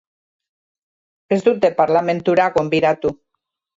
Ez dute parlamentura gonbidatu.